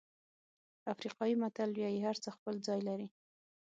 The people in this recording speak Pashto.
افریقایي متل وایي هرڅه خپل ځای لري.